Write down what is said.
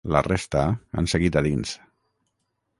La resta, han seguit a dins.